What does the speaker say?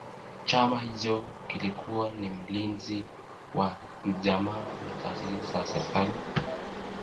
Chama hicho kilikuwa ni mlinzi wa ujamaa na taasisi za serikali